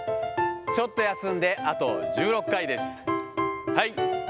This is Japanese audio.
ちょっと休んで、あと１６回です。